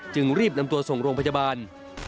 จึงรีบนำตัวส่งโรงพยาบาล